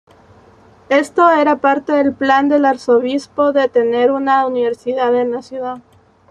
Esto era parte del plan del arzobispo de tener una universidad en la ciudad.